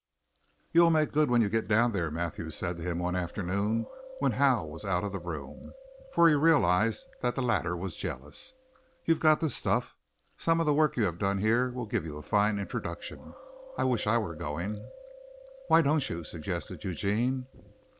"You'll make good when you get down there," Mathews said to him one afternoon when Howe was out of the room, for he realized that the latter was jealous. "You've got the stuff. Some of the work you have done here will give you a fine introduction. I wish I were going." "Why don't you?" suggested Eugene.